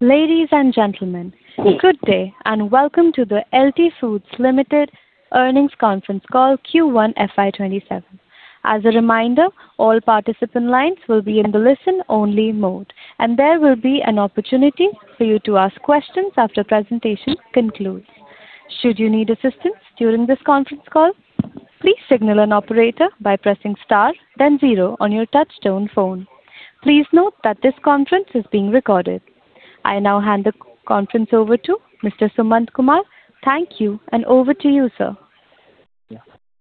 Ladies and gentlemen, good day, and welcome to the LT Foods Limited earnings conference call Q1 FY 2027. As a reminder, all participant lines will be in the listen-only mode, and there will be an opportunity for you to ask questions after presentation concludes. Should you need assistance during this conference call, please signal an operator by pressing star then zero on your touchtone phone. Please note that this conference is being recorded. I now hand the conference over to Mr. Sumant Kumar. Thank you, and over to you, sir.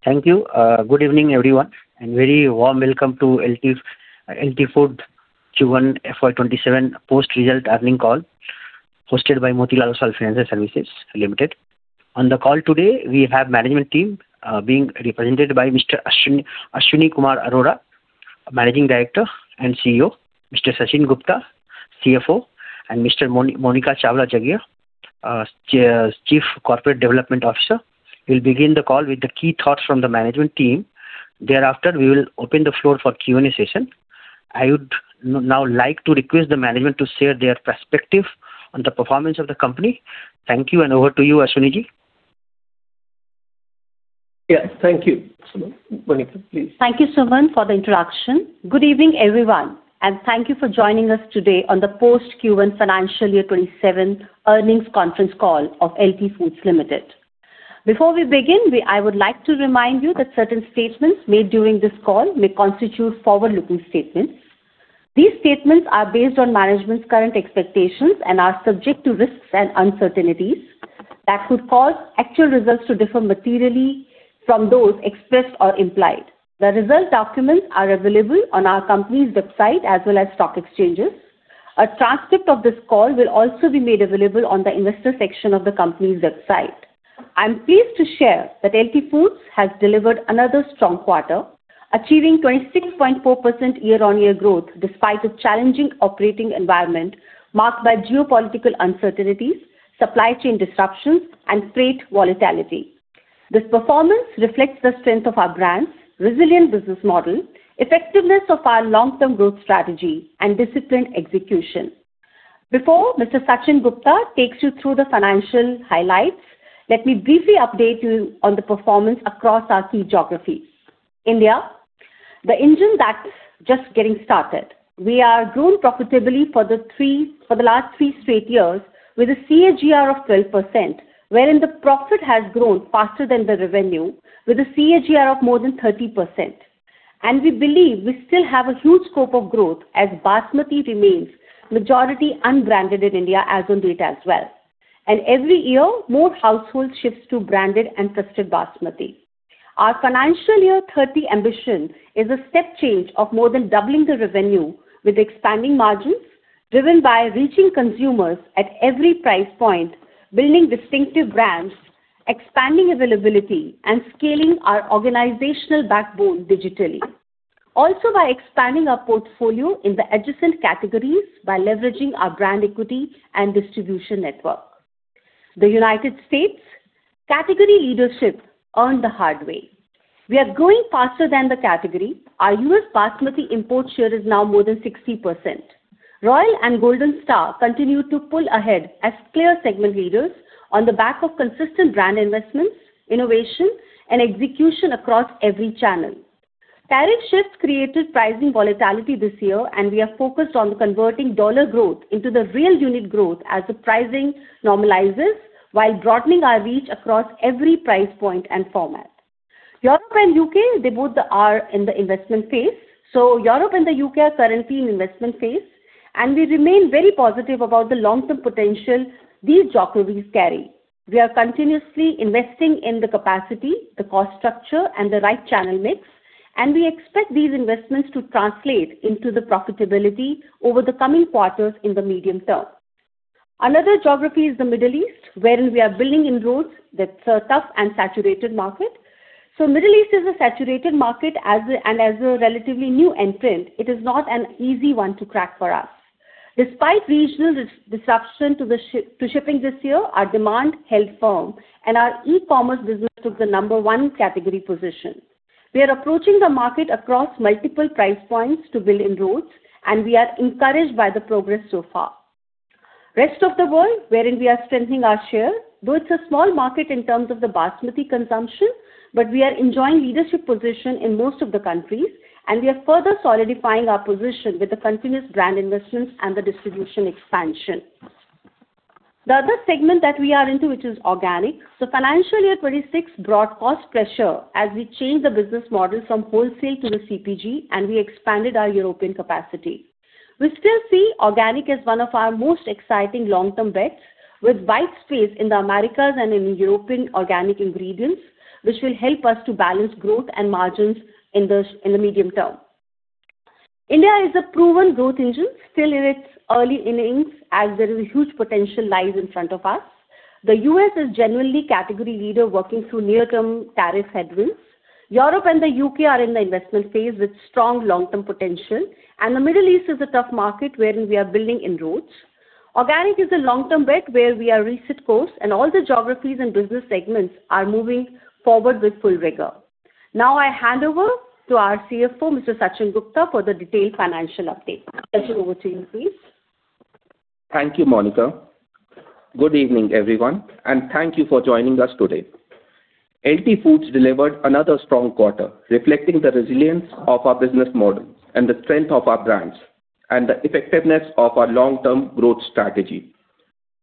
Thank you. Good evening, everyone, and very warm welcome to LT Foods Q1 FY 2027 post-result earning call hosted by Motilal Oswal Financial Services Limited. On the call today, we have management team, being represented by Mr. Ashwani Kumar Arora, Managing Director and CEO, Mr. Sachin Gupta, CFO, and Mr. Monika Chawla Jaggia, Chief Corporate Development Officer, who will begin the call with the key thoughts from the management team. Thereafter, we will open the floor for Q&A session. I would now like to request the management to share their perspective on the performance of the company. Thank you, and over to you, Ashwani. Thank you, Sumant. Monika, please. Thank you, Sumant, for the introduction. Good evening, everyone, and thank you for joining us today on the post Q1 financial year 2027 earnings conference call of LT Foods Limited. Before we begin, I would like to remind you that certain statements made during this call may constitute forward-looking statements. These statements are based on management's current expectations and are subject to risks and uncertainties that could cause actual results to differ materially from those expressed or implied. The result documents are available on our company's website as well as stock exchanges. A transcript of this call will also be made available on the investor section of the company's website. I'm pleased to share that LT Foods has delivered another strong quarter, achieving 26.4% year-on-year growth despite a challenging operating environment marked by geopolitical uncertainties, supply chain disruptions, and freight volatility. This performance reflects the strength of our brands, resilient business model, effectiveness of our long-term growth strategy, and disciplined execution. Before Mr. Sachin Gupta takes you through the financial highlights, let me briefly update you on the performance across our key geographies. India, the engine that's just getting started. We are grown profitably for the last three straight years with a CAGR of 12%, wherein the profit has grown faster than the revenue with a CAGR of more than 30%. We believe we still have a huge scope of growth as Basmati remains majority unbranded in India as on date as well. Every year, more households shifts to branded and trusted Basmati. Our FY 2030 ambition is a step change of more than doubling the revenue with expanding margins driven by reaching consumers at every price point, building distinctive brands, expanding availability, and scaling our organizational backbone digitally. Also by expanding our portfolio in the adjacent categories by leveraging our brand equity and distribution network. The United States, category leadership earned the hard way. We are growing faster than the category. Our U.S. Basmati import share is now more than 60%. Royal and Golden Star continue to pull ahead as clear segment leaders on the back of consistent brand investments, innovation, and execution across every channel. Tariff shifts created pricing volatility this year, and we are focused on converting dollar growth into the real unit growth as the pricing normalizes while broadening our reach across every price point and format. Europe and U.K., they both are in the investment phase. Europe and the U.K. are currently in investment phase. We remain very positive about the long-term potential these geographies carry. We are continuously investing in the capacity, the cost structure, and the right channel mix. We expect these investments to translate into the profitability over the coming quarters in the medium term. Another geography is the Middle East, wherein we are building inroads. That's a tough and saturated market. Middle East is a saturated market. As a relatively new entrant, it is not an easy one to crack for us. Despite regional disruption to shipping this year, our demand held firm. Our e-commerce business took the number one category position. We are approaching the market across multiple price points to build inroads. We are encouraged by the progress so far. Rest of the world, wherein we are strengthening our share. Both are small market in terms of the Basmati consumption. We are enjoying leadership position in most of the countries. We are further solidifying our position with the continuous brand investments and the distribution expansion. The other segment that we are into, which is organic. Financial year 2026 brought cost pressure as we changed the business model from wholesale to the CPG. We expanded our European capacity. We still see organic as one of our most exciting long-term bets with white space in the Americas and in European organic ingredients, which will help us to balance growth and margins in the medium term. India is a proven growth engine, still in its early innings as there is a huge potential lies in front of us. The U.S. is generally category leader working through near-term tariff headwinds. Europe and the U.K. are in the investment phase with strong long-term potential. The Middle East is a tough market wherein we are building inroads. Organic is a long-term bet where we are reset course. All the geographies and business segments are moving forward with full rigor. Now I hand over to our CFO, Mr. Sachin Gupta, for the detailed financial update. Sachin, over to you, please. Thank you, Monika. Good evening, everyone. Thank you for joining us today. LT Foods delivered another strong quarter, reflecting the resilience of our business model, the strength of our brands, and the effectiveness of our long-term growth strategy.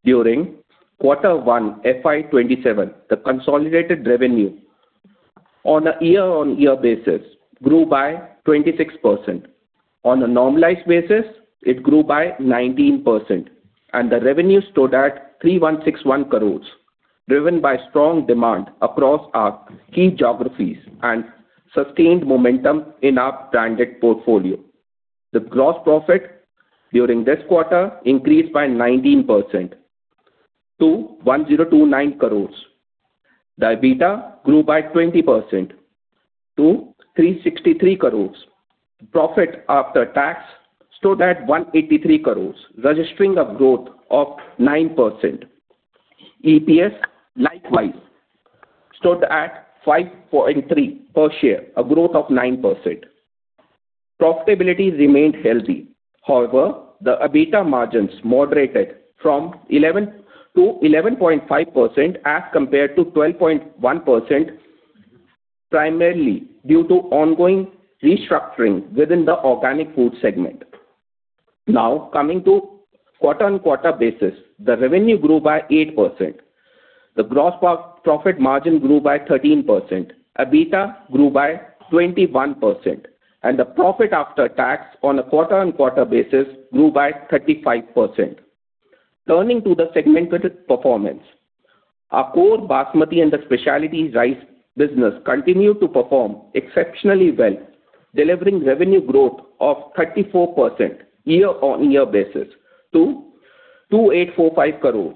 During quarter one FY 2027, the consolidated revenue on a year-on-year basis grew by 26%. On a normalized basis, it grew by 19%. The revenue stood at 3,161 crore, driven by strong demand across our key geographies and sustained momentum in our branded portfolio. The gross profit during this quarter increased by 19% to 1,029 crore. The EBITDA grew by 20% to 363 crore. Profit after tax stood at 183 crore, registering a growth of 9%. EPS, likewise, stood at 5.3 per share, a growth of 9%. Profitability remained healthy. However, the EBITDA margins moderated from 11%-11.5% as compared to 12.1%, primarily due to ongoing restructuring within the organic food segment. Coming to quarter-on-quarter basis, the revenue grew by 8%, the gross profit margin grew by 13%, EBITDA grew by 21%. The profit after tax on a quarter-on-quarter basis grew by 35%. Turning to the segmented performance. Our core Basmati and the specialty rice business continued to perform exceptionally well, delivering revenue growth of 34% year-on-year basis to 2,845 crore.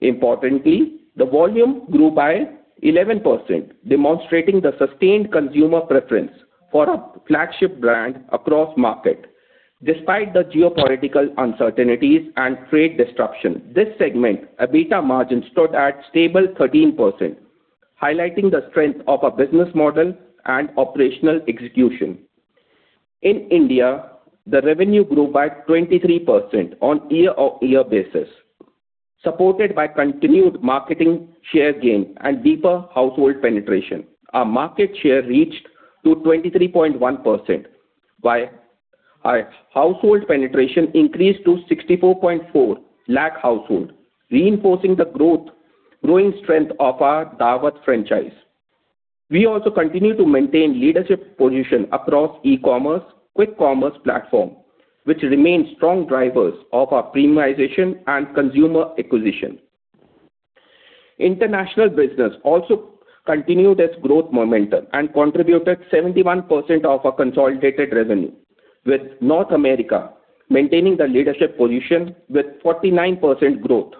Importantly, the volume grew by 11%, demonstrating the sustained consumer preference for our flagship brand across market. Despite the geopolitical uncertainties and trade disruption, this segment EBITDA margin stood at stable 13%, highlighting the strength of our business model and operational execution. In India, the revenue grew by 23% on year-on-year basis, supported by continued marketing share gain and deeper household penetration. Our market share reached to 23.1%, while our household penetration increased to 64.4 lakh households, reinforcing the growing strength of our Daawat franchise. We also continue to maintain leadership position across e-commerce, quick commerce platforms, which remains strong drivers of our premiumization and consumer acquisition. International business also continued its growth momentum and contributed 71% of our consolidated revenue, with North America maintaining the leadership position with 49% growth.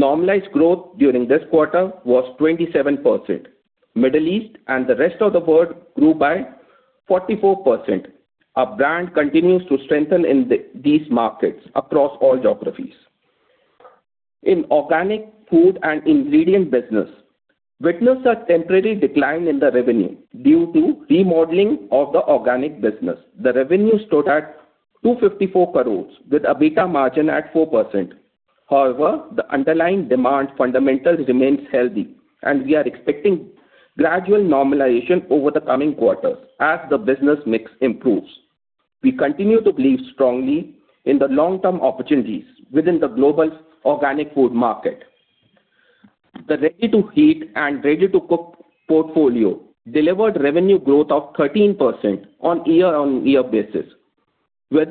Normalized growth during this quarter was 27%. The Middle East and the rest of the world grew by 44%. Our brand continues to strengthen in these markets across all geographies. In organic food and ingredient business, witnessed a temporary decline in the revenue due to remodeling of the organic business. The revenue stood at 254 crore with EBITDA margin at 4%. However, the underlying demand fundamentals remain healthy, and we are expecting gradual normalization over the coming quarters as the business mix improves. We continue to believe strongly in the long-term opportunities within the global organic food market. The ready-to-heat and ready-to-cook portfolio delivered revenue growth of 13% year-on-year basis, with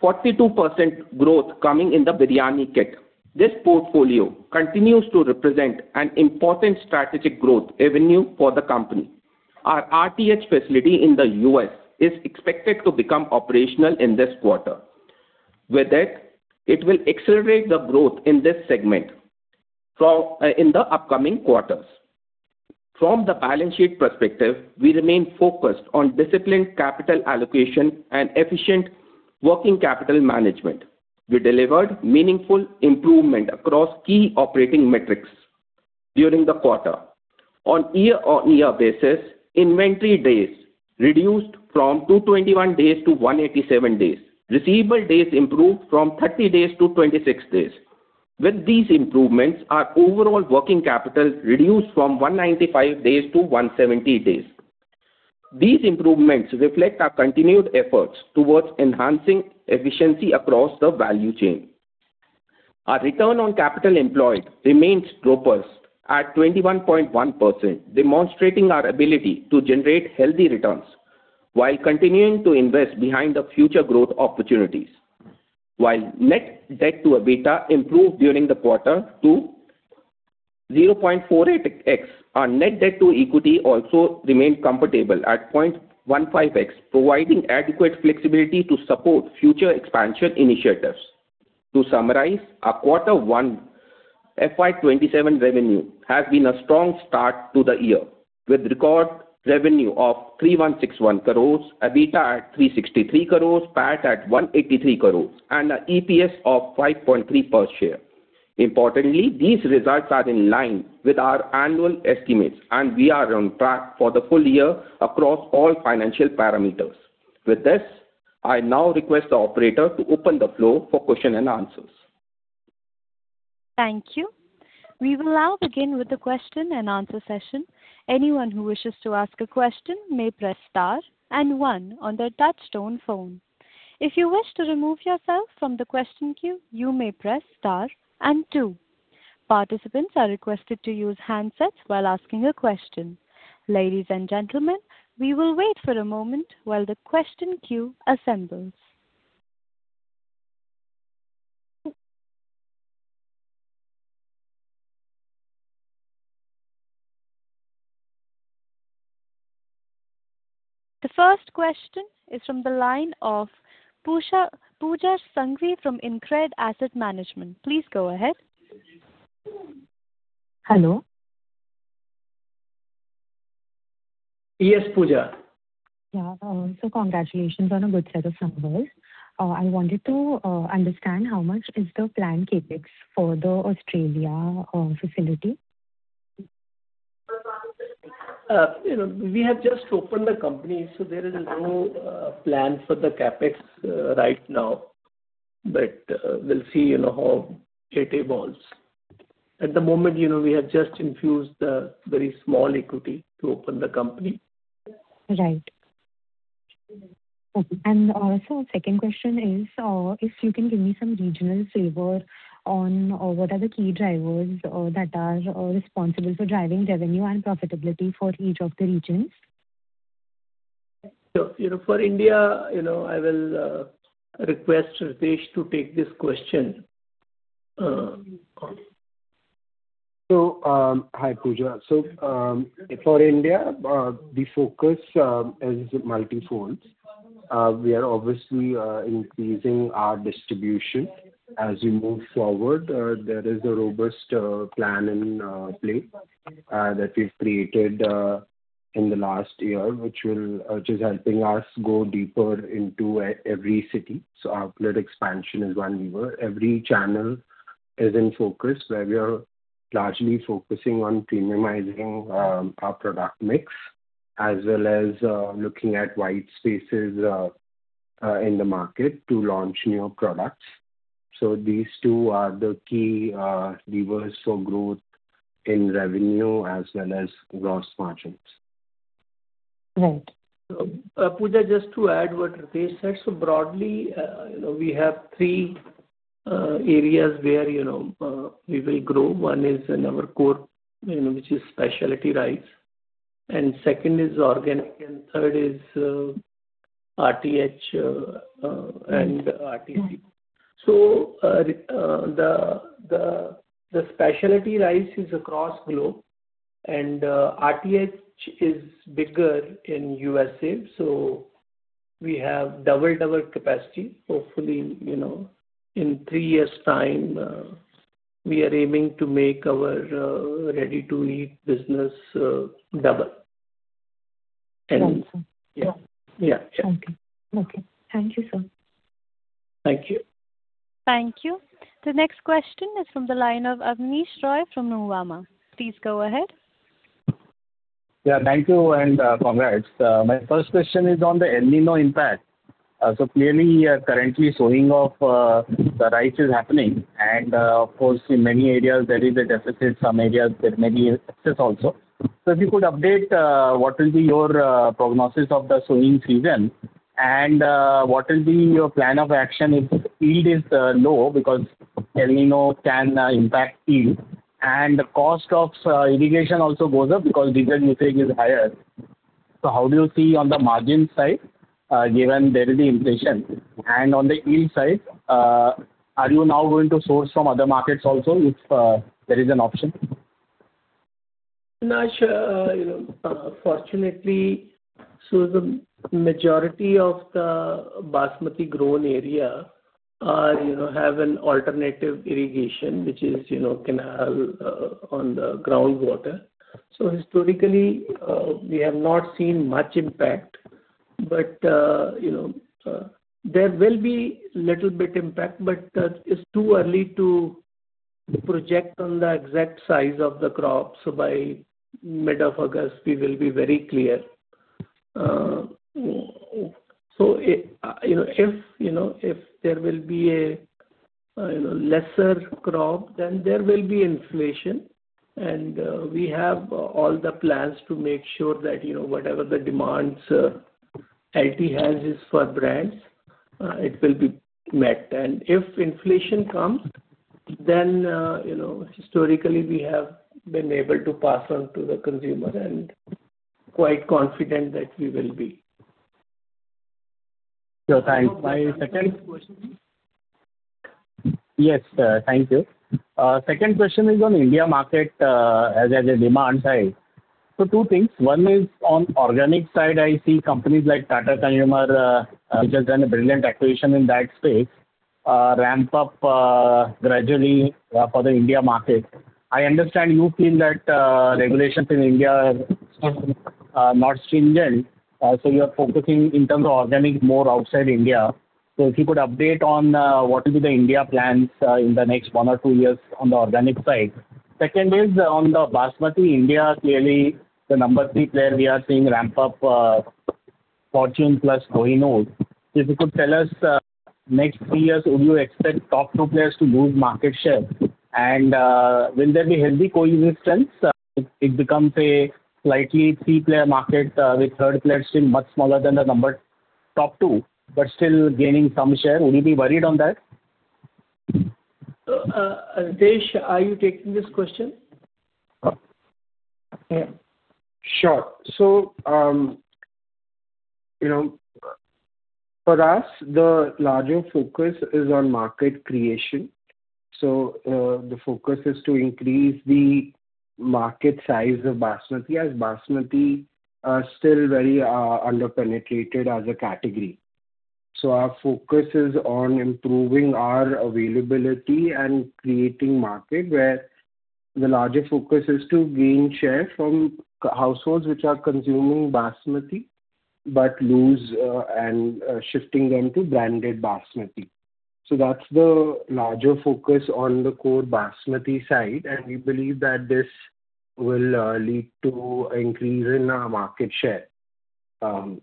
42% growth coming in the Biryani kit. This portfolio continues to represent an important strategic growth avenue for the company. Our RTH facility in the U.S. is expected to become operational in this quarter. It will accelerate the growth in this segment in the upcoming quarters. From the balance sheet perspective, we remain focused on disciplined capital allocation and efficient working capital management. We delivered meaningful improvement across key operating metrics during the quarter. Year-on-year basis, inventory days reduced from 221 days to 187 days. Receivable days improved from 30 days to 26 days. These improvements, our overall working capital reduced from 195 days to 170 days. These improvements reflect our continued efforts towards enhancing efficiency across the value chain. Our return on capital employed remains robust at 21.1%, demonstrating our ability to generate healthy returns while continuing to invest behind the future growth opportunities. While net debt to EBITDA improved during the quarter to 0.48x, our net debt to equity also remained comfortable at 0.15x, providing adequate flexibility to support future expansion initiatives. To summarize, our quarter one FY 2027 revenue has been a strong start to the year, with record revenue of 3,161 crore, EBITDA at 363 crore, PAT at 183 crore, and an EPS of 5.3 per share. Importantly, these results are in line with our annual estimates, and we are on track for the full year across all financial parameters. I now request the operator to open the floor for question-and-answer. Thank you. We will now begin with the question-and-answer session. Anyone who wishes to ask a question may press star one on their touch-tone phone. If you wish to remove yourself from the question queue, you may press star and two. Participants are requested to use handsets while asking a question. Ladies and gentlemen, we will wait for a moment while the question queue assembles. The first question is from the line of Pooja Sanghvi from InCred Asset Management. Please go ahead. Hello. Yes, Pooja. Yeah. Congratulations on a good set of numbers. I wanted to understand how much is the planned CapEx for the Australia facility? We have just opened the company, so there is no plan for the CapEx right now. We'll see how it evolves. At the moment, we have just infused a very small equity to open the company. Right. Also a second question is, if you can give me some regional flavor on what are the key drivers that are responsible for driving revenue and profitability for each of the regions? For India, I will request Ritesh to take this question. Hi, Pooja. For India, the focus is multifold. We are obviously increasing our distribution as we move forward. There is a robust plan in play that we've created in the last year, which is helping us go deeper into every city. Outlet expansion is one lever. Every channel is in focus, where we are largely focusing on premiumizing our product mix, as well as looking at white spaces in the market to launch new products. These two are the key levers for growth in revenue as well as gross margins. Right. Pooja, just to add what Ritesh said. Broadly, we have three areas where we will grow. One is in our core, which is specialty rice, and second is organic, and third is RTH and RTC. The specialty rice is across globe, and RTH is bigger in USA, we have doubled our capacity. Hopefully, in three years' time, we are aiming to make our ready-to-eat business double. Right. Yeah. Okay. Thank you, sir. Thank you. Thank you. The next question is from the line of Abneesh Roy from Nuvama. Please go ahead. Yeah, thank you and congrats. My first question is on the El Niño impact. Clearly, currently sowing of the rice is happening, and of course, in many areas there is a deficit, some areas there may be excess also. If you could update what will be your prognosis of the sowing season, and what will be your plan of action if yield is low because El Niño can impact yield, and the cost of irrigation also goes up because diesel usage is higher. How do you see on the margin side, given there is inflation? On the yield side, are you now going to source from other markets also, if there is an option? Abneesh, fortunately, so the majority of the Basmati grown area have an alternative irrigation, which is canal on the groundwater. Historically, we have not seen much impact. There will be little bit impact, but it's too early to project on the exact size of the crop, by mid of August we will be very clear. If there will be a lesser crop, then there will be inflation, and we have all the plans to make sure that whatever the demands LT has is for brands, it will be met. If inflation comes, then historically we have been able to pass on to the consumer, and quite confident that we will be. Thanks. Can I take the second question? Yes, thank you. Second question is on India market as a demand side. Two things. One is on organic side, I see companies like Tata Consumer, which has done a brilliant acquisition in that space, ramp up gradually for the India market. I understand you feel that regulations in India are not stringent, so you're focusing in terms of organic more outside India. If you could update on what will be the India plans in the next one or two years on the organic side. Second is on the Basmati. India, clearly the number three player we are seeing ramp up Fortune Plus Kohinoor. If you could tell us next three years, would you expect top two players to lose market share, and will there be healthy coexistence if it becomes a slightly three-player market with third player still much smaller than the top two, but still gaining some share? Would you be worried on that? Ritesh, are you taking this question? Sure. For us, the larger focus is on market creation. The focus is to increase the market size of Basmati, as Basmati are still very under-penetrated as a category. Our focus is on improving our availability and creating market, where the larger focus is to gain share from households which are consuming Basmati, but loose and shifting them to branded Basmati. That's the larger focus on the core Basmati side, and we believe that this will lead to increase in our market share. On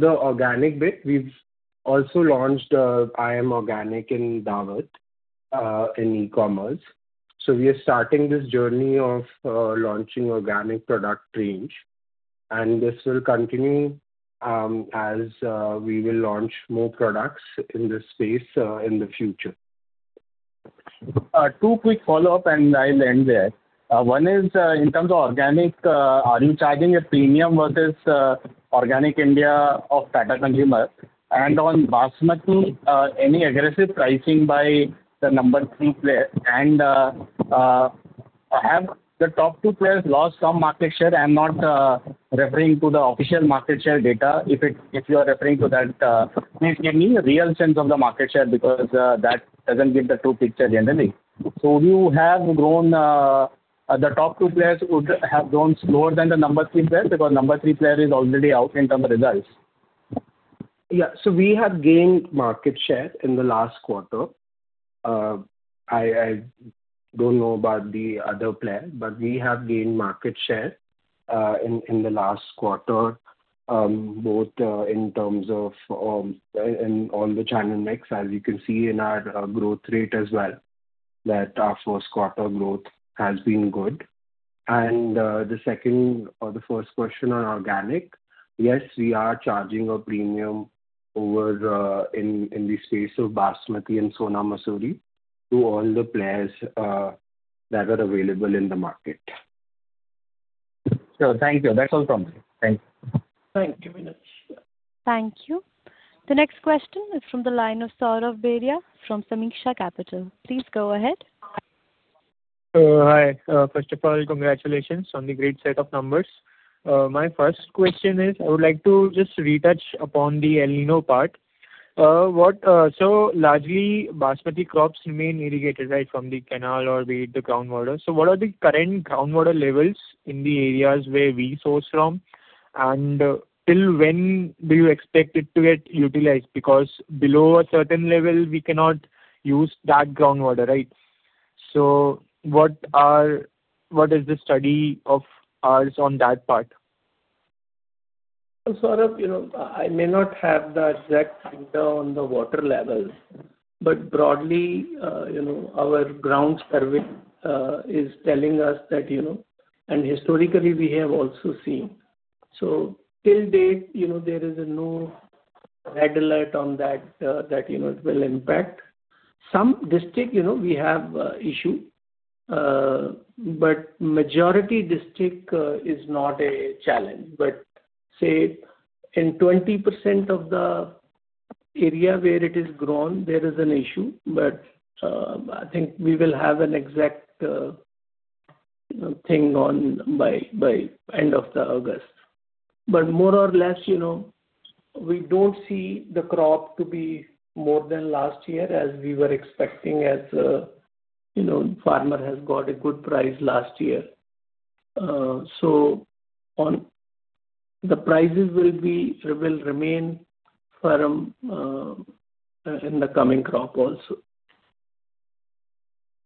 the organic bit, we've also launched I'm Organic in Daawat, in e-commerce. We are starting this journey of launching organic product range, and this will continue as we will launch more products in this space in the future. Two quick follow-up and I'll end there. One is in terms of organic, are you charging a premium versus Organic India of Tata Consumer? On Basmati, any aggressive pricing by the number three player? Have the top two players lost some market share? I'm not referring to the official market share data. If you're referring to that, please give me a real sense of the market share because that doesn't give the true picture generally. Would you have grown, the top two players would have grown slower than the number three player because number three player is already out in terms of results. Yeah. We have gained market share in the last quarter. I don't know about the other player, but we have gained market share in the last quarter, both in terms of on the channel mix, as you can see in our growth rate as well, that our first quarter growth has been good. The second or the first question on organic, yes, we are charging a premium over in the space of Basmati and Sona Masuri to all the players that are available in the market. Sure. Thank you. That's all from me. Thanks. Thank you, Abneesh. Thank you. The next question is from the line of Saurabh Beria from Sameeksha Capital. Please go ahead. Hi. First of all, congratulations on the great set of numbers. My first question is I would like to just retouch upon the El Niño part. Largely, Basmati crops remain irrigated, right, from the canal or be it the groundwater. What are the current groundwater levels in the areas where we source from, and till when do you expect it to get utilized? Because below a certain level, we cannot use that groundwater, right? What is the study of ours on that part? Saurabh, I may not have the exact figure on the water levels, but broadly our ground survey is telling us that, and historically we have also seen. Till date, there is no red alert on that it will impact. Some district we have issue, but majority district is not a challenge. Say in 20% of the area where it is grown, there is an issue, but I think we will have an exact thing on by end of the August. More or less, we don't see the crop to be more than last year as we were expecting as farmer has got a good price last year. On the prices will remain firm in the coming crop also.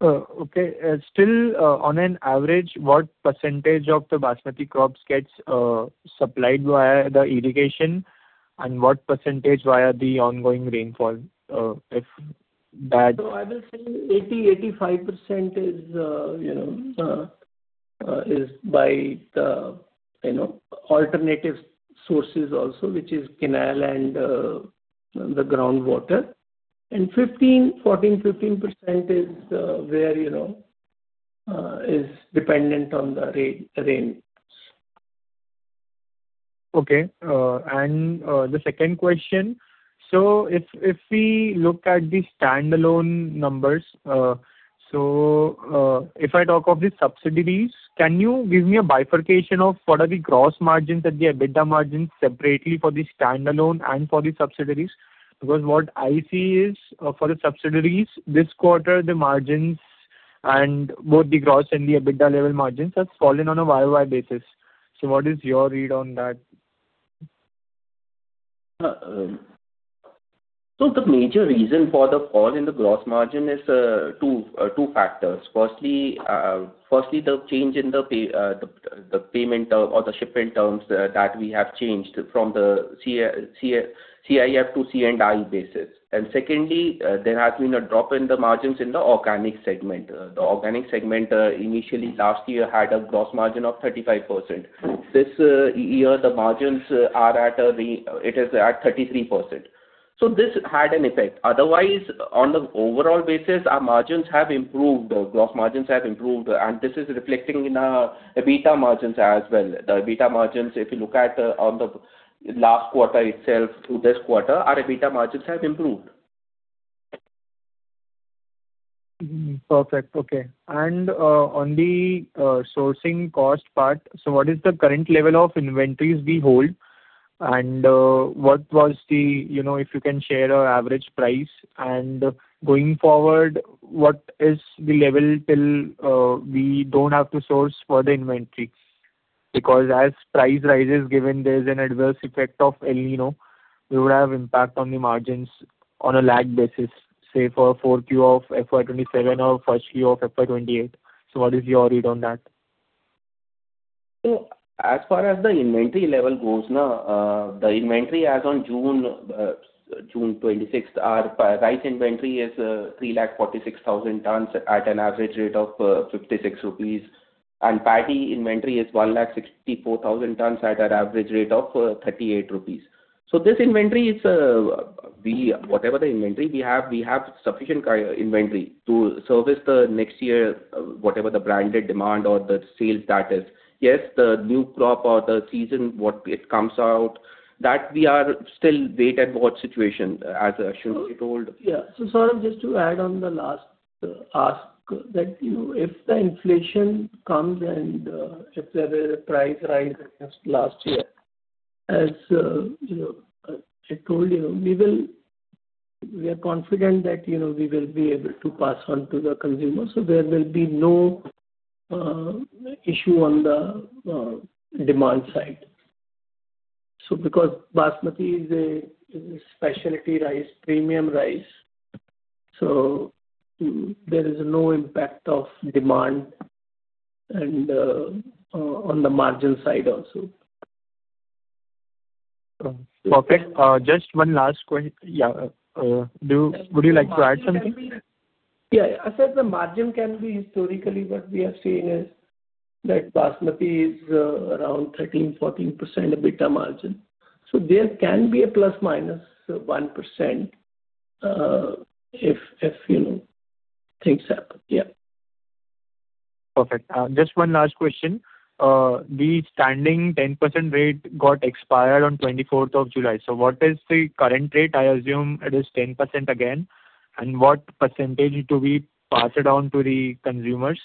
Okay. Still on an average, what percentage of the Basmati crops gets supplied via the irrigation and what percentage via the ongoing rainfall? I will say 80%-85% is by the alternative sources also, which is canal and the groundwater. 14%-15% is dependent on the rain. Okay. The second question. If we look at the standalone numbers, if I talk of the subsidiaries, can you give me a bifurcation of what are the gross margins and the EBITDA margins separately for the standalone and for the subsidiaries? Because what I see is for the subsidiaries this quarter, the margins. Both the gross and the EBITDA level margins have fallen on a YoY basis. What is your read on that? The major reason for the fall in the gross margin is two factors. Firstly, the change in the payment or the shipment terms that we have changed from the CIF to C&F basis. Secondly, there has been a drop in the margins in the organic segment. The organic segment initially last year had a gross margin of 35%. This year the margins are at 33%. This had an effect. Otherwise, on the overall basis, our margins have improved, gross margins have improved. This is reflecting in our EBITDA margins as well. The EBITDA margins, if you look at on the last quarter itself to this quarter, our EBITDA margins have improved. Perfect. Okay. On the sourcing cost part, what is the current level of inventories we hold and what was the, if you can share our average price, and going forward, what is the level till we don't have to source for the inventory? Because as price rises, given there is an adverse effect of El Niño, we would have impact on the margins on a lag basis, say for 4Q of FY 2027 or first Q of FY 2028. What is your read on that? As far as the inventory level goes now, the inventory as on June 26th, our rice inventory is 346,000 tonnes at an average rate of 56 rupees, and paddy inventory is 164,000 tonnes at an average rate of 38 rupees. This inventory is, whatever the inventory we have, we have sufficient inventory to service the next year, whatever the branded demand or the sales that is. Yes, the new crop or the season, what it comes out, that we are still wait and watch situation, as Ashwani told. Yeah. Saurabh, just to add on the last ask, that if the inflation comes and if there were a price rise as last year, as I told you, we are confident that we will be able to pass on to the consumer, there will be no issue on the demand side. Because Basmati is a specialty rice, premium rice, there is no impact of demand and on the margin side also. Perfect. Just one last question. Yeah. Would you like to add something? As such the margin can be historically what we have seen is that Basmati is around 13%-14% EBITDA margin. There can be a ±1% if things happen. Yeah. Perfect. Just one last question. The standing 10% rate got expired on July 24th. What is the current rate? I assume it is 10% again. What percentage to be passed on to the consumers?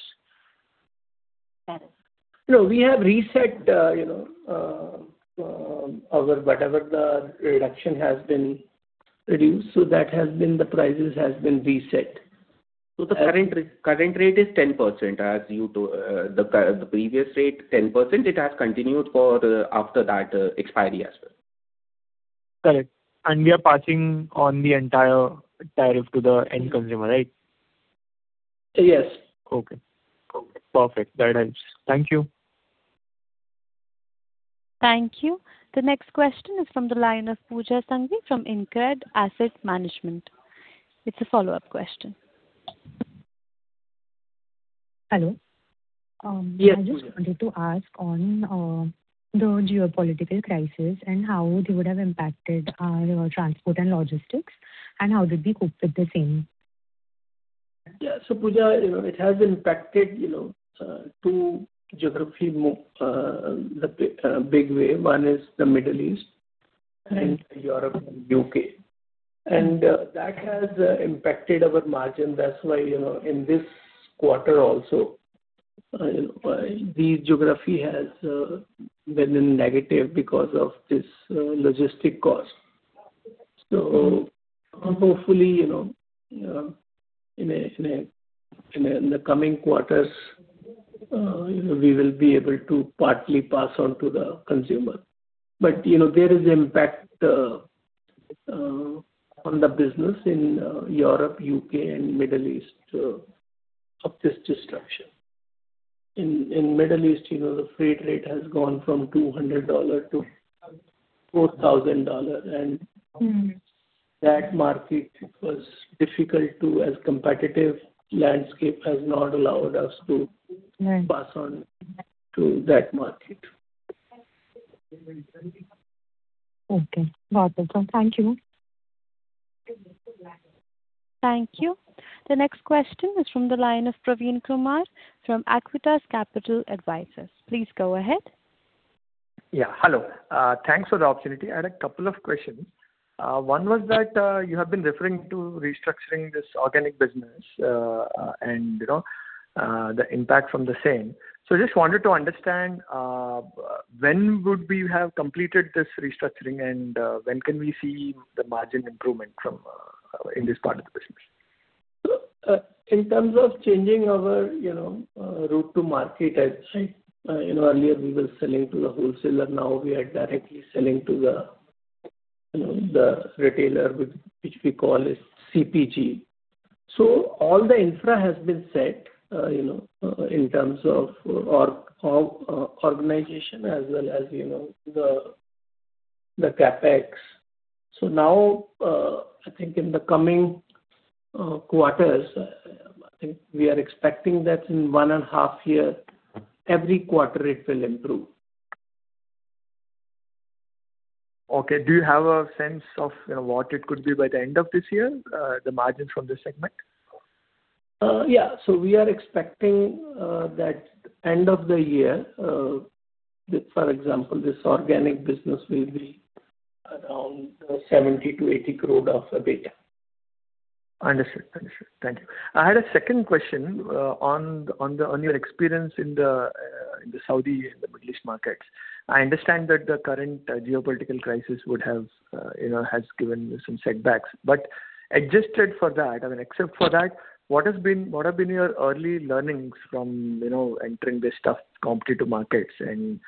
No. We have reset whatever the reduction has been reduced, so the prices has been reset. The current rate is 10%, as the previous rate, 10%, it has continued after that expiry as well. Correct. We are passing on the entire tariff to the end consumer, right? Yes. Okay. Perfect. That helps. Thank you. Thank you. The next question is from the line of Pooja Sanghvi from InCred Asset Management. It's a follow-up question. Hello. Yes. I just wanted to ask on the geopolitical crisis and how they would have impacted our transport and logistics, and how did we cope with the same? Yeah. Pooja, it has impacted two geography more, the big way. One is the Middle East and Europe and U.K. That has impacted our margin. That's why, in this quarter also, the geography has been negative because of this logistic cost. Hopefully, in the coming quarters, we will be able to partly pass on to the consumer. There is impact on the business in Europe, U.K. and Middle East of this disruption. In Middle East, the freight rate has gone from INR 200-INR 4,000, and that market was difficult to, as competitive landscape has not allowed us to pass on to that market. Okay. Got it, sir. Thank you. Thank you. The next question is from the line of Praveen Kumar from Aequitas Capital Advisors. Please go ahead. Yeah, hello. Thanks for the opportunity. I had a couple of questions. One was that you have been referring to restructuring this organic business, and the impact from the same. Just wanted to understand, when would we have completed this restructuring and when can we see the margin improvement in this part of the business? In terms of changing our route to market, earlier we were selling to the wholesaler, now we are directly selling to the retailer, which we call CPG. All the infra has been set in terms of organization as well as the CapEx. Now, I think in the coming quarters, we are expecting that in one and a half year, every quarter it will improve. Okay. Do you have a sense of what it could be by the end of this year, the margin from this segment? Yeah. We are expecting that end of the year, for example, this organic business will be around 70 crore-80 crore of EBITDA. Understood. Thank you. I had a second question on your experience in the Saudi and the Middle East markets. I understand that the current geopolitical crisis has given you some setbacks, but adjusted for that, except for that, what have been your early learnings from entering this tough competitive markets, and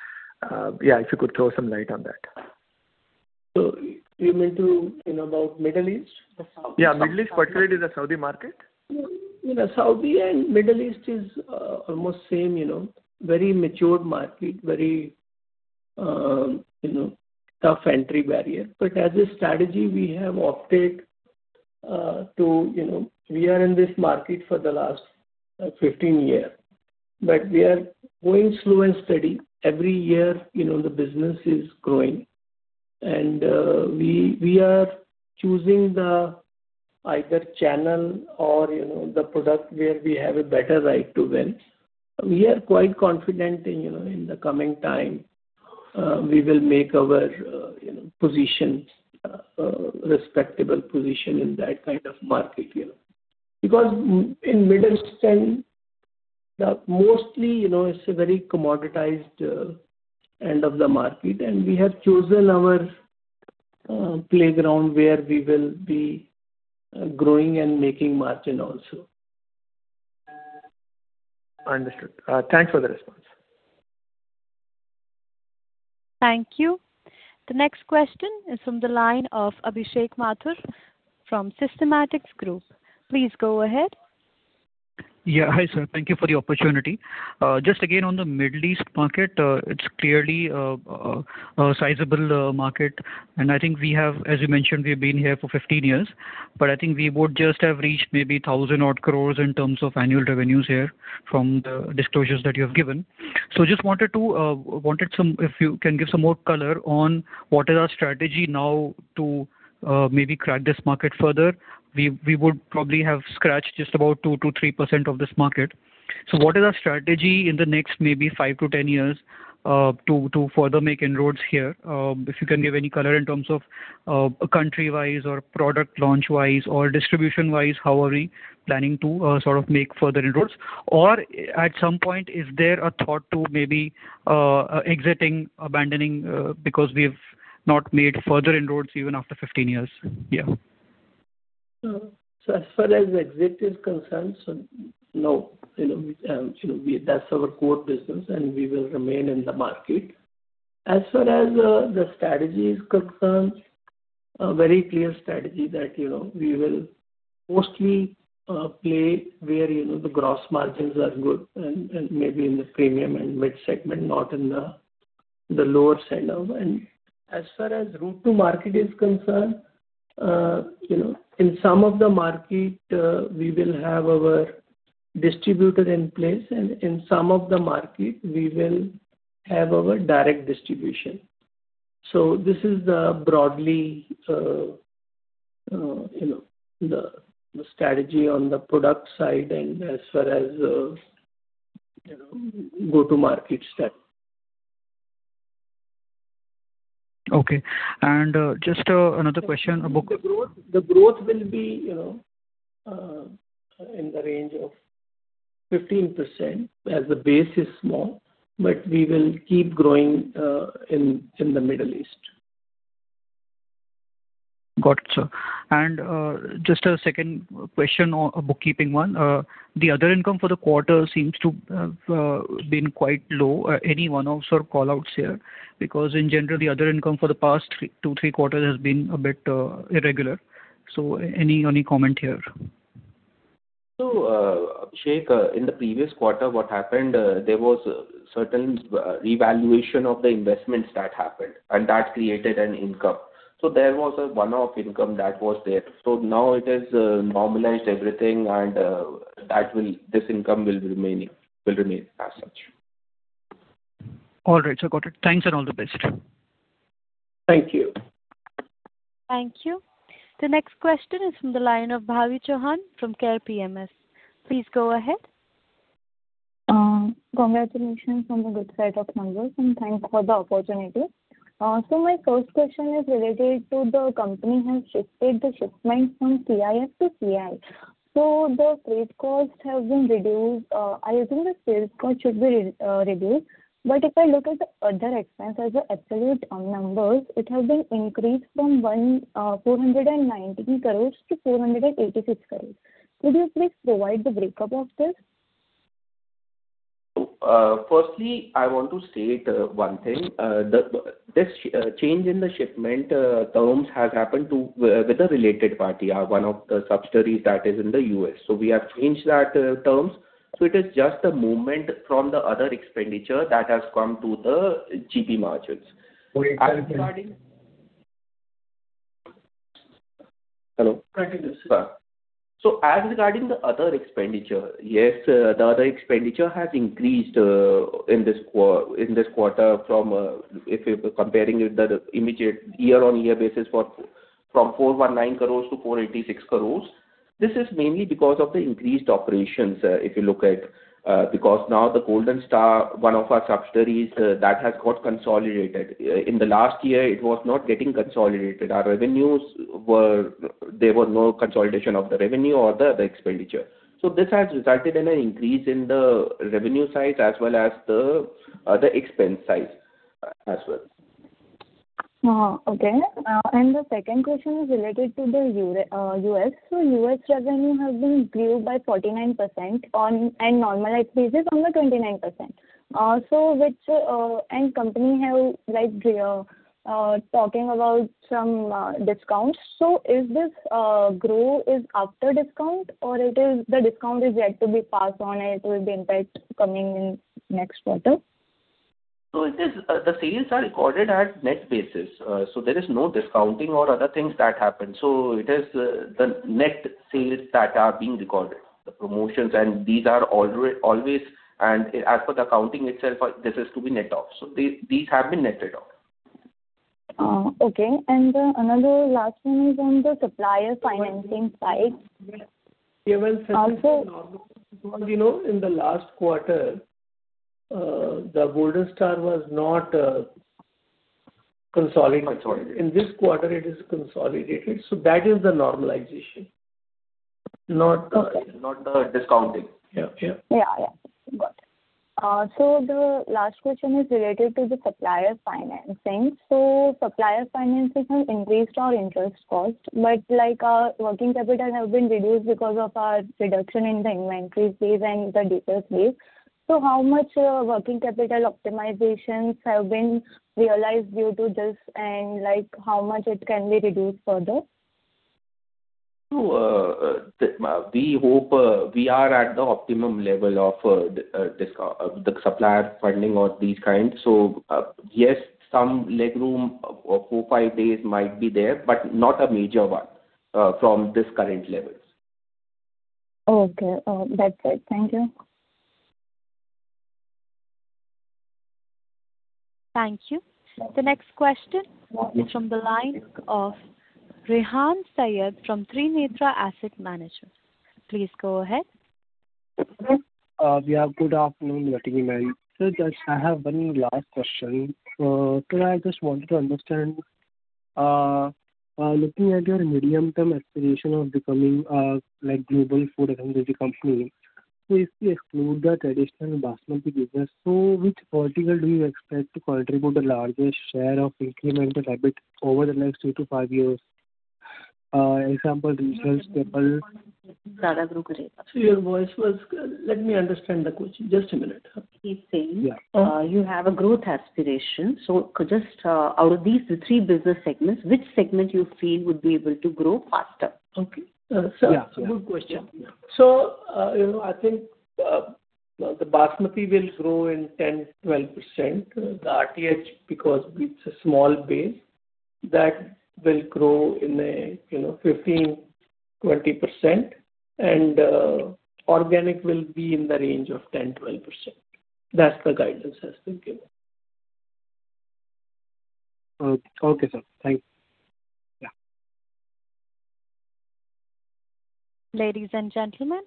if you could throw some light on that? You meant about Middle East or Saudi? Yeah, Middle East, particularly the Saudi market. Saudi and Middle East is almost same, very mature market, very tough entry barrier. As a strategy, we have opted We are in this market for the last 15 years, but we are going slow and steady. Every year, the business is growing. We are choosing the either channel or the product where we have a better right to win. We are quite confident in the coming time we will make our respectable position in that kind of market. Because in Middle East, mostly it's a very commoditized end of the market, and we have chosen our playground where we will be growing and making margin also. Understood. Thanks for the response. Thank you. The next question is from the line of Abhishek Mathur from Systematix Group. Please go ahead. Hi, sir. Thank you for the opportunity. Just again, on the Middle East market, it's clearly a sizable market, and I think as you mentioned, we've been here for 15 years, but I think we would just have reached maybe 1,000 odd crore in terms of annual revenues here from the disclosures that you have given. Just wondered if you can give some more color on what is our strategy now to maybe crack this market further. We would probably have scratched just about 2%-3% of this market. What is our strategy in the next maybe 5-10 years to further make inroads here? If you can give any color in terms of country-wise or product launch-wise or distribution-wise, how are we planning to sort of make further inroads? At some point, is there a thought to maybe exiting, abandoning, because we've not made further inroads even after 15 years? As far as exit is concerned, no. That's our core business, and we will remain in the market. The strategy is concerned, very clear strategy that we will mostly play where the gross margins are good and maybe in the premium and mid segment, not in the lower side. As far as route to market is concerned, in some of the market, we will have our distributor in place, and in some of the market, we will have our direct distribution. This is the broadly the strategy on the product side and as far as go-to-market step. Okay. Just another question. The growth will be in the range of 15%, as the base is small, but we will keep growing in the Middle East. Got it, sir. Just a second question or a bookkeeping one. The other income for the quarter seems to have been quite low. Any one-offs or call outs here? In general, the other income for the past two, three quarters has been a bit irregular. Any comment here? Abhishek, in the previous quarter, what happened, there was certain revaluation of the investments that happened, and that created an income. There was a one-off income that was there. Now it has normalized everything, and this income will remain as such. All right, sir. Got it. Thanks and all the best. Thank you. Thank you. The next question is from the line of Bhavi Chauhan from Care PMS. Please go ahead. Congratulations on the good set of numbers, thanks for the opportunity. My first question is related to the company has shifted the shipments from CIF to C&F. The freight cost has been reduced. I think the sales cost should be reduced. If I look at the other expense as absolute numbers, it has been increased from 490 crore-486 crore. Could you please provide the breakup of this? Firstly, I want to state one thing. This change in the shipment terms has happened with a related party, one of the subsidiaries that is in the U.S. We have changed that terms. It is just a movement from the other expenditure that has come to the GP margins. Hello? As regarding the other expenditure, yes, the other expenditure has increased in this quarter from, if you're comparing it, the immediate year-on-year basis from 499 crore-486 crore. This is mainly because of the increased operations, if you look at, because now the Golden Star, one of our subsidiaries, that has got consolidated. In the last year, it was not getting consolidated. There was no consolidation of the revenue or the other expenditure. This has resulted in an increase in the revenue side as well as the other expense side as well. Okay. The second question is related to the U.S. U.S. revenue has been grew by 49% on a normalized basis on the 29%. Company have talking about some discounts. Is this grow is after discount or the discount is yet to be passed on, it will be impact coming in next quarter? The sales are recorded at net basis. There is no discounting or other things that happen. It is the net sales that are being recorded, the promotions, and these are always, and as for the accounting itself, this is to be net off. These have been netted off. Okay. Another last one is on the supplier financing side. Yeah, well, in the last quarter, the Golden Star was not consolidated. In this quarter, it is consolidated. That is the normalization, not the. Not the discounting. Yeah. Yeah. Got it. The last question is related to the supplier financing. Supplier financing has increased our interest cost, but our working capital have been reduced because of our reduction in the inventory days and the debtor days. How much working capital optimizations have been realized due to this, and how much it can be reduced further? We hope we are at the optimum level of the supplier funding or these kinds. Yes, some legroom of four, five days might be there, but not a major one from this current levels. Okay. That's it. Thank you. Thank you. The next question is from the line of Rehan Saiyyed from Trinetra Asset Managers. Please go ahead. Yeah. Good afternoon, everyone. Just I have one last question. Today, I just wanted to understand, looking at your medium-term aspiration of becoming a global food and grocery company, if we exclude the traditional Basmati business, which vertical do you expect to contribute the largest share of incremental revenue over the next three to five years? Example, retails. Sir, let me understand the question. Just a minute. He's saying- Yeah. You have a growth aspiration. Could just, out of these three business segments, which segment you feel would be able to grow faster? Okay. Yeah. It's a good question. I think the Basmati will grow in 10%-12%. The RTH, because it's a small base, that will grow in a 15%-20%. Organic will be in the range of 10%-12%. That's the guidance has been given. Okay, sir. Thank you. Yeah. Ladies and gentlemen,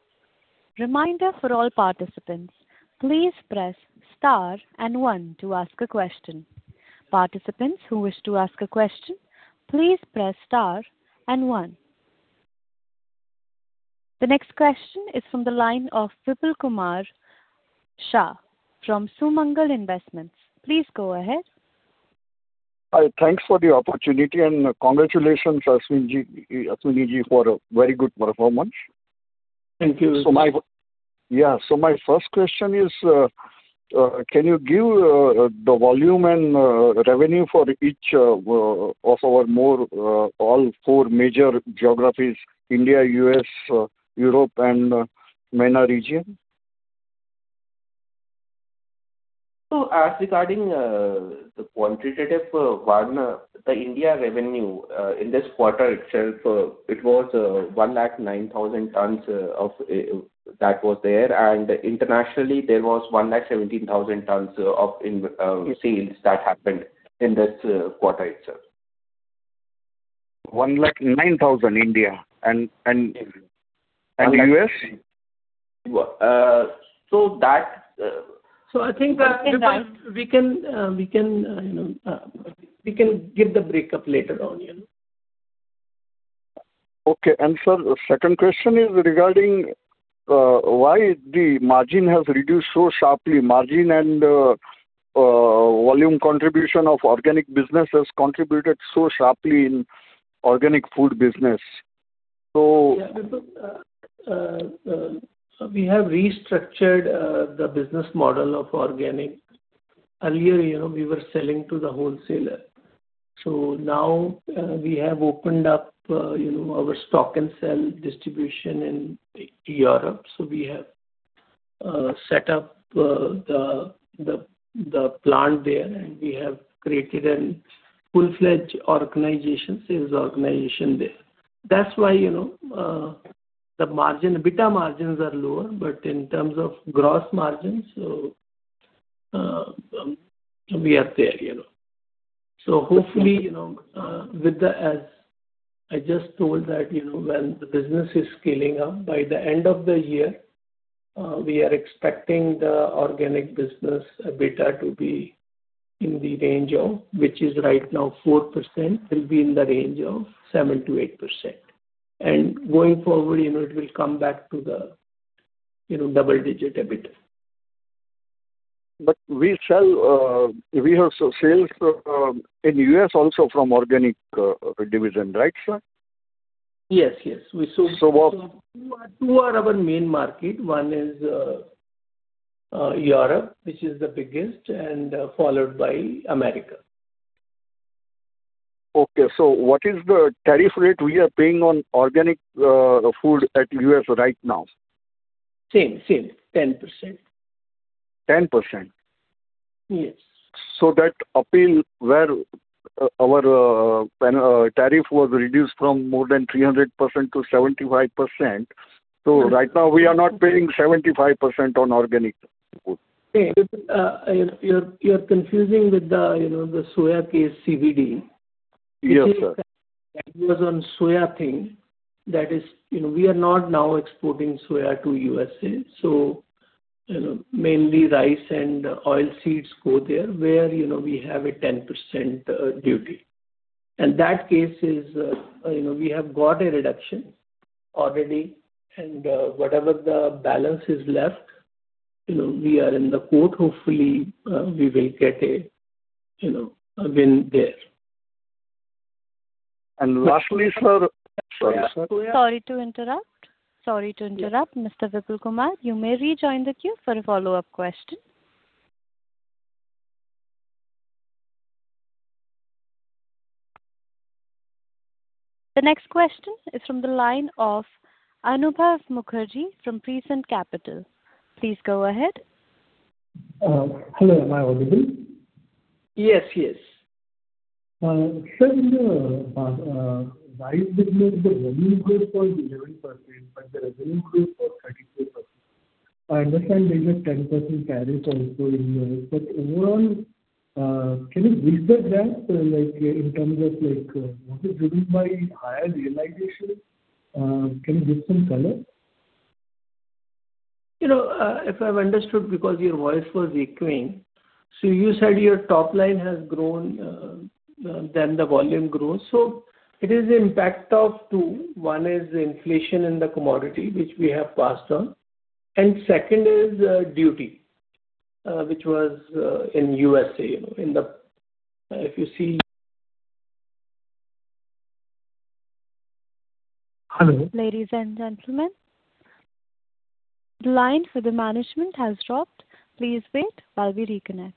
reminder for all participants, please press Star and One to ask a question. Participants who wish to ask a question, please press Star and One. The next question is from the line of Vipul Kumar Shah from Sumangal Investments. Please go ahead. Thanks for the opportunity, congratulations, Ashwani, for a very good performance. Thank you. My first question is, can you give the volume and revenue for each of our more all four major geographies, India, U.S., Europe, and MENA region? As regarding the quantitative one, the India revenue, in this quarter itself, it was 109,000 tonnes that was there, internationally, there was 117,000 tonnes of sales that happened in this quarter itself. 109,000 India, U.S.? So that- I think that we can give the breakup later on. Okay. Sir, second question is regarding why the margin has reduced so sharply. Margin and volume contribution of organic business has contributed so sharply in organic food business. Yeah, Vipul. We have restructured the business model of organic. Earlier, we were selling to the wholesaler. Now we have opened up our stock and sell distribution in Europe. We have set up the plant there, and we have created a full-fledged sales organization there. That's why the EBITDA margins are lower, but in terms of gross margins, we are there. Hopefully, as I just told that when the business is scaling up, by the end of the year, we are expecting the organic business EBITDA to be in the range of, which is right now 4%, it will be in the range of 7%-8%. Going forward, it will come back to the double-digit EBITDA. We have sales in U.S. also from organic division, right, sir? Yes. So what- Two are our main market. One is Europe, which is the biggest, and followed by America. Okay. What is the tariff rate we are paying on organic food at U.S. right now? Same, 10%. 10%? Yes. That appeal where our tariff was reduced from more than 300%-75%. Right now we are not paying 75% on organic food. You're confusing with the soya case CVD. Yes, sir. That was on soya thing. We are not now exporting soya to U.S.A. Mainly rice and oilseeds go there, where we have a 10% duty. That case is, we have got a reduction already, whatever the balance is left, we are in the court. Hopefully, we will get a win there. Lastly, sir. Sorry, sir. Sorry to interrupt. Mr. Vipul Kumar, you may rejoin the queue for a follow-up question. The next question is from the line of Anubhav Mukherjee from Prescient Capital. Please go ahead. Hello, am I audible? Yes. Sir, in the rice business, the revenue grew for 11%, the revenue grew for 32%. I understand there's a 10% tariff also in U.S., overall, can you break that down, in terms of what is driven by higher realization? Can you give some color? If I've understood because your voice was echoing, you said your top line has grown than the volume grows. It is impact of two. One is inflation in the commodity, which we have passed on. Second is duty, which was in U.S.A. Ladies and gentlemen, the line for the management has dropped. Please wait while we reconnect.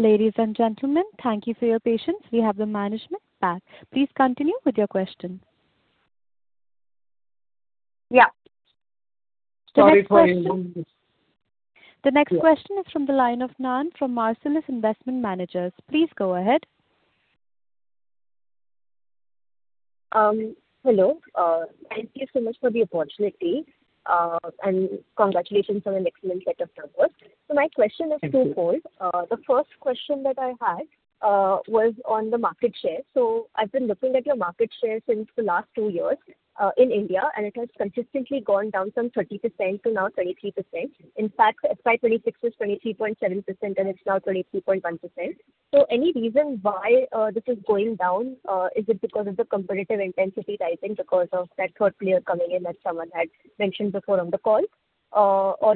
Ladies and gentlemen, thank you for your patience. We have the management back. Please continue with your questions. Yeah. Sorry for interrupting. The next question is from the line of [Nand] from Marcellus Investment Managers. Please go ahead. Hello. Thank you so much for the opportunity, and congratulations on an excellent set of numbers. My question is twofold. The first question that I had was on the market share. I've been looking at your market share since the last two years in India, and it has consistently gone down from 30% to now 23%. In fact, FY 2026 was 23.7%, and it's now 23.1%. Any reason why this is going down? Is it because of the competitive intensity rising because of that third player coming in that someone had mentioned before on the call?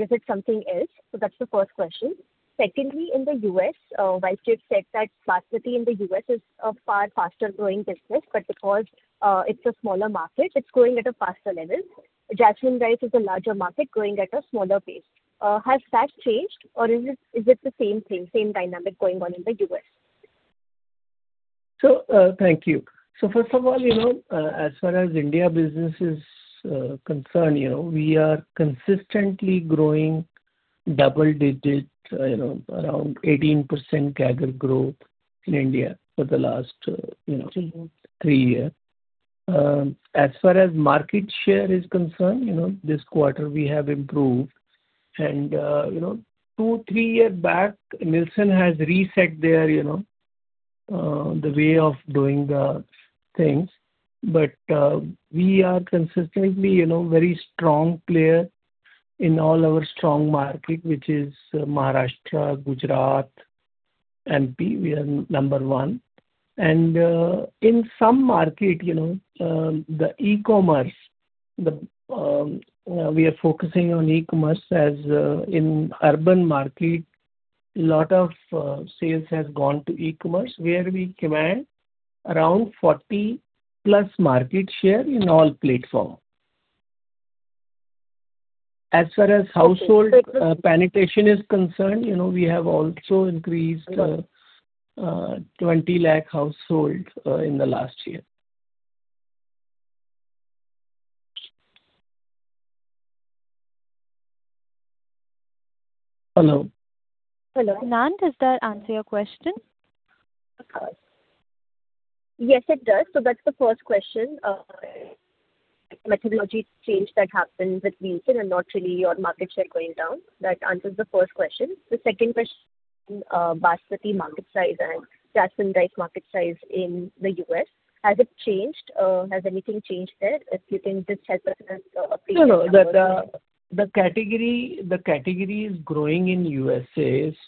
Is it something else? That's the first question. Secondly, in the U.S., Vijay said that Basmati in the U.S. is a far faster-growing business, but because it's a smaller market, it's growing at a faster level. Jasmine rice is a larger market growing at a smaller pace. Has that changed or is it the same thing, same dynamic going on in the U.S.? Thank you. First of all, as far as India business is concerned, we are consistently growing double digits, around 18% CAGR growth in India for the last three years. As far as market share is concerned, this quarter we have improved. Two, three years back, Nielsen has reset the way of doing things. We are consistently very strong player in all our strong market, which is Maharashtra, Gujarat, MP, we are number one. In some market, we are focusing on e-commerce as in urban market, lot of sales has gone to e-commerce, where we command around 40+ market share in all platforms. As far as household penetration is concerned, we have also increased 20 lakh households in the last year. Hello? Hello. Nand, does that answer your question? Yes, it does. That's the first question. Methodology change that happened with Nielsen and not really your market share going down. That answers the first question. The second question, Basmati market size and Jasmine rice market size in the U.S., has it changed? Has anything changed there? If you can just help us with an update. No. The category is growing in U.S.A.,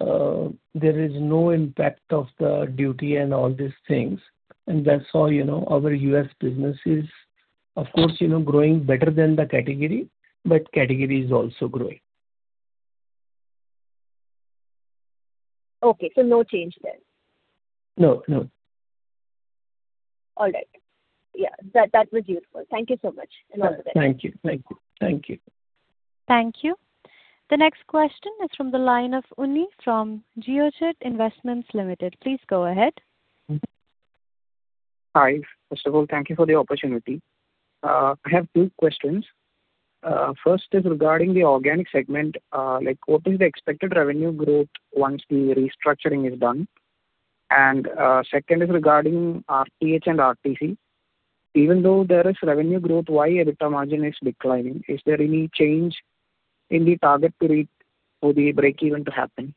there is no impact of the duty and all these things. That's how our U.S. business is, of course, growing better than the category, but category is also growing. Okay, no change there. No. All right. Yeah, that was useful. Thank you so much, and all the best. Thank you. Thank you. The next question is from the line of [Unni] from Geojit Investments Limited. Please go ahead. Hi. First of all, thank you for the opportunity. I have two questions. First is regarding the organic segment. What is the expected revenue growth once the restructuring is done? Second is regarding RTH and RTC. Even though there is revenue growth, why EBITDA margin is declining? Is there any change in the target period for the break-even to happen?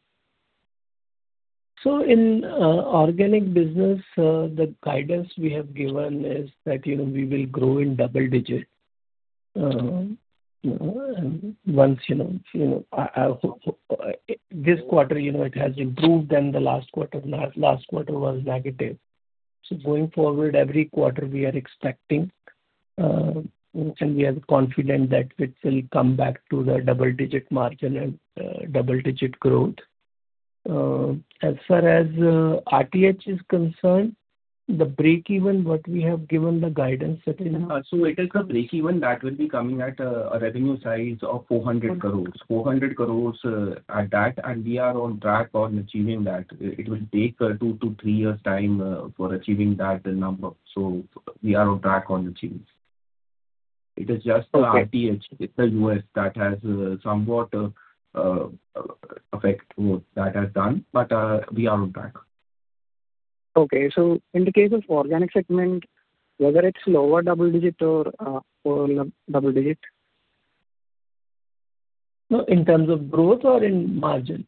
In organic business, the guidance we have given is that we will grow in double digits. This quarter it has improved than the last quarter. Last quarter was negative. Going forward, every quarter we are expecting, and we are confident that it will come back to the double-digit margin and double-digit growth. As far as RTH is concerned, the break-even, what we have given the guidance set in. It is a break-even that will be coming at a revenue size of 400 crore. 400 crore at that, and we are on track on achieving that. It will take two to three years' time for achieving that number. We are on track on achieving. It is just- Okay. the RTH with the U.S. that has somewhat affected what that has done. We are on track. Okay. In the case of organic segment, whether it's lower double-digit or double-digit? No, in terms of growth or in margin?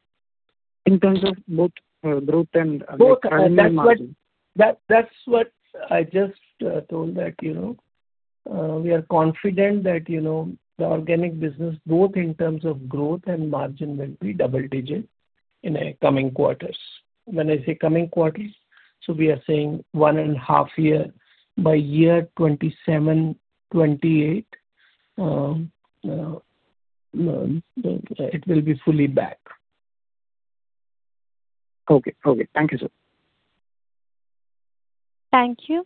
In terms of both growth and margin. That's what I just told, that we are confident that the organic business, both in terms of growth and margin, will be double-digit in coming quarters. When I say coming quarters, we are saying one and a half year. By 2027, 2028, it will be fully back. Okay. Thank you, sir. Thank you.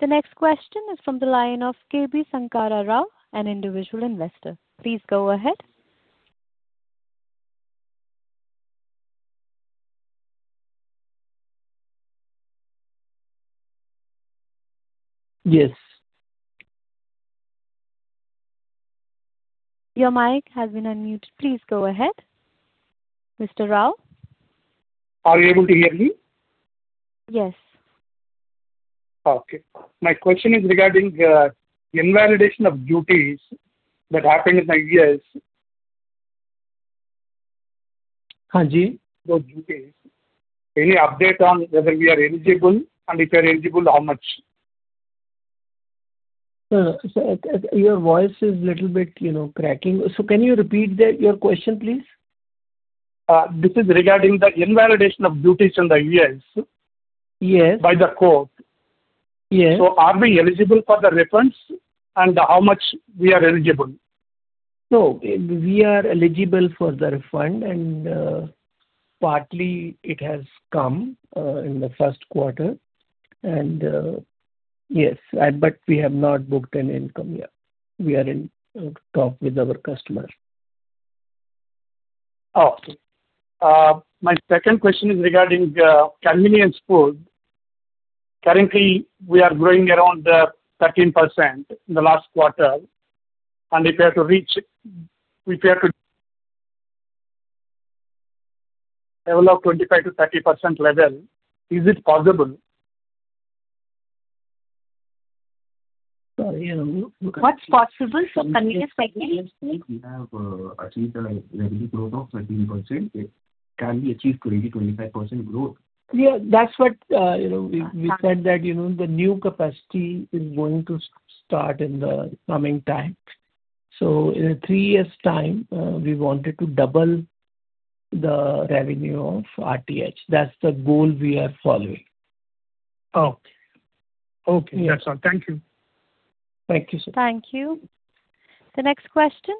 The next question is from the line of [K.B. Sankar Rao], an individual investor. Please go ahead. Yes. Your mic has been unmuted. Please go ahead, Mr. Rao. Are you able to hear me? Yes. Okay. My question is regarding the invalidation of duties that happened in the U.S. Hanji. The duties. Any update on whether we are eligible, and if we are eligible, how much? Sir, your voice is little bit cracking. Can you repeat your question, please? This is regarding the invalidation of duties in the U.S. Yes. By the court. Yes. Are we eligible for the refunds, how much we are eligible? No, we are eligible for the refund, partly it has come in the first quarter. Yes, we have not booked an income yet. We are in talks with our customer. Okay. My second question is regarding convenience food. Currently, we are growing around 13% in the last quarter, if we are to reach level of 25%-30% level, is it possible? Sorry. What's possible, sir? Convenience category? We have achieved a revenue growth of 13%. It can be achieved, 20%-25% growth. Yeah, that's what we said, that the new capacity is going to start in the coming time. In three years' time, we wanted to double the revenue of RTH. That's the goal we are following. Okay. That's all. Thank you. Thank you, sir. Thank you. The next question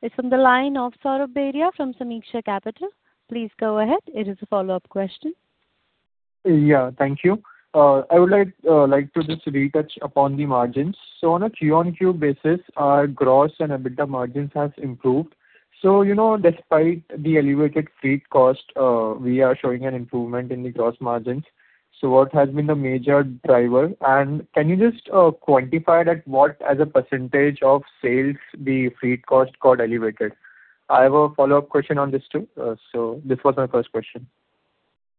is from the line of Saurabh Beria from Sameeksha Capital. Please go ahead. It is a follow-up question. Yeah, thank you. I would like to just retouch upon the margins. On a Q-on-Q basis, our gross and EBITDA margins has improved. Despite the elevated freight cost, we are showing an improvement in the gross margins. What has been the major driver? Can you just quantify that what, as a percentage of sales, the freight cost got elevated? I have a follow-up question on this too. This was my first question.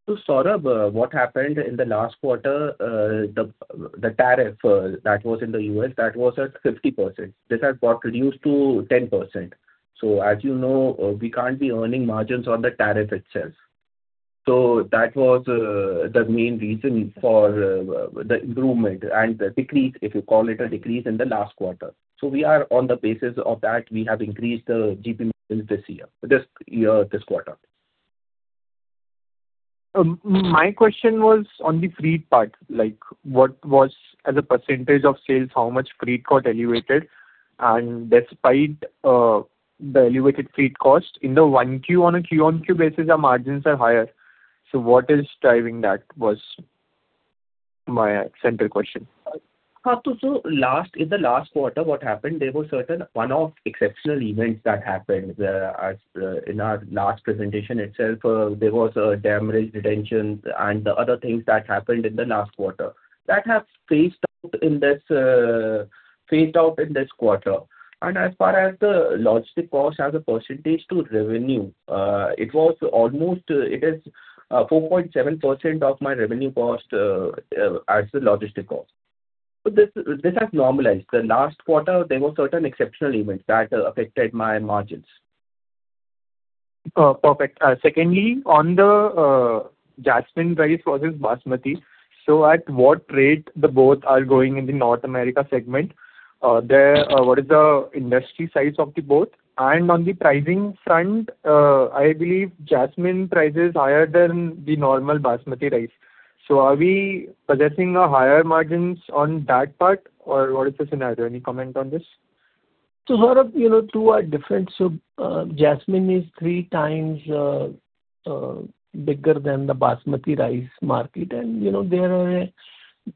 Saurabh, what happened in the last quarter, the tariff that was in the U.S., that was at 50%. This has got reduced to 10%. As you know, we can't be earning margins on the tariff itself. That was the main reason for the improvement and the decrease, if you call it a decrease, in the last quarter. We are on the basis of that, we have increased the GP this quarter. My question was on the freight part, like what was, as a percentage of sales, how much freight got elevated? Despite the elevated freight cost, in the 1Q, on a Q-on-Q basis, our margins are higher. What is driving that was my central question. In the last quarter, what happened, there were certain one-off exceptional events that happened. In our last presentation itself, there was a demurrage and detention and other things that happened in the last quarter. That has phased out in this quarter. As far as the logistic cost as a percentage to revenue, it is 4.7% of my revenue cost as the logistic cost. This has normalized. The last quarter, there were certain exceptional events that affected my margins. Perfect. Secondly, on the Jasmine rice versus Basmati, at what rate both are going in the North America segment? What is the industry size of both? On the pricing front, I believe Jasmine price is higher than the normal Basmati rice. Are we possessing higher margins on that part, or what is the scenario? Any comment on this? Saurabh, two are different. Jasmine is three times bigger than the Basmati rice market, and there are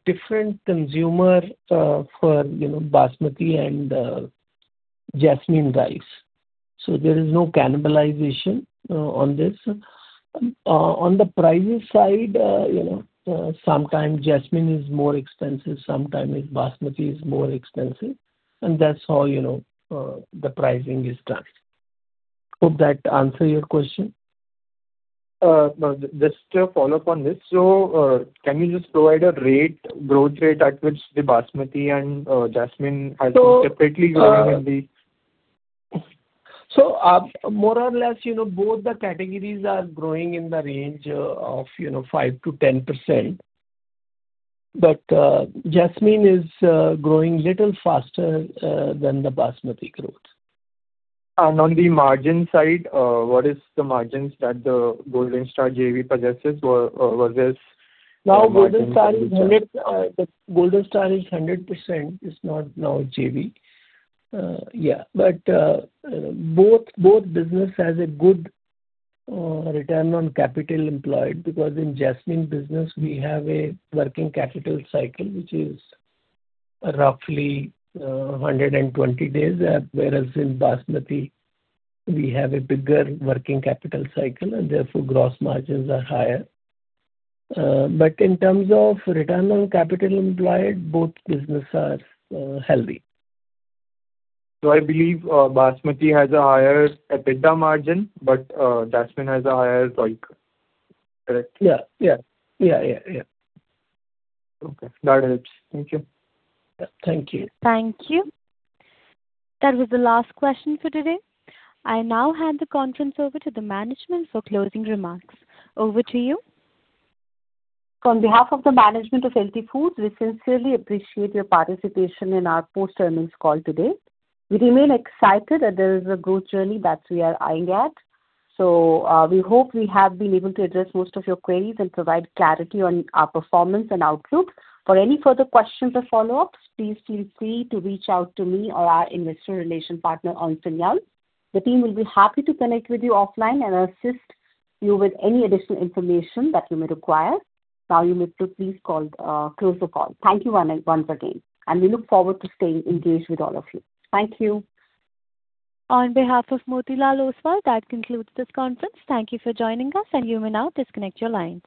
different consumers for Basmati and Jasmine rice. There is no cannibalization on this. On the pricing side, sometimes Jasmine is more expensive, sometimes Basmati is more expensive, and that's how the pricing is done. Hope that answers your question. No. Just a follow-up on this. Can you just provide a growth rate at which the Basmati and Jasmine are separately growing in the- More or less, both the categories are growing in the range of 5%-10%, but Jasmine is growing a little faster than the Basmati growth. On the margin side, what are the margins that the Golden Star JV possesses versus- Now Golden Star is 100%. It's not now a JV. Yeah. Both business has a good return on capital employed because in Jasmine business we have a working capital cycle which is roughly 120 days, whereas in Basmati we have a bigger working capital cycle and therefore gross margins are higher. In terms of return on capital employed, both business are healthy. I believe Basmati has a higher EBITDA margin, but Jasmine has a higher ROIC. Correct? Yeah. Okay. That helps. Thank you. Thank you. Thank you. That was the last question for today. I now hand the conference over to the management for closing remarks. Over to you. On behalf of the management of LT Foods, we sincerely appreciate your participation in our post-earnings call today. We remain excited that there is a growth journey that we are eyeing at. We hope we have been able to address most of your queries and provide clarity on our performance and outlook. For any further questions or follow-ups, please feel free to reach out to me or our investor relation partner on Ernst & Young. The team will be happy to connect with you offline and assist you with any additional information that you may require. Now you may please close the call. Thank you once again, and we look forward to staying engaged with all of you. Thank you. On behalf of Motilal Oswal, that concludes this conference. Thank you for joining us and you may now disconnect your lines.